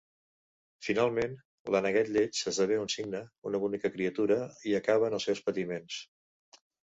Finalment, l'aneguet lleig esdevé un cigne, una bonica criatura, i acaben els seus patiments.